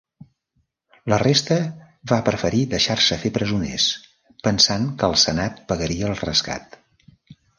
La resta va preferir deixar-se fer presoners pensant que el senat pagaria el rescat.